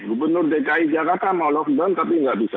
gubernur dki jakarta mau lockdown tapi nggak bisa